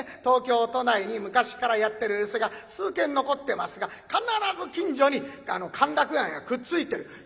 東京都内に昔からやってる寄席が数軒残ってますが必ず近所に歓楽街がくっついてる。